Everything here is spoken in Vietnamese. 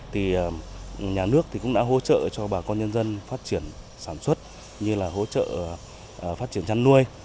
thì nhà nước thì cũng đã hỗ trợ cho bà con nhân dân phát triển sản xuất như là hỗ trợ phát triển chăn nuôi